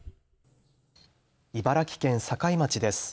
茨城県境町です。